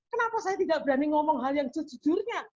kenapa saya tidak berani ngomong hal yang sejujurnya